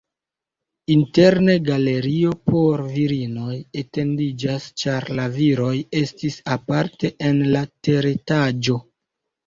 Interne galerio por virinoj etendiĝas, ĉar la viroj estis aparte en la teretaĝo.